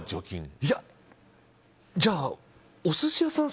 いや、じゃあ、お寿司屋さん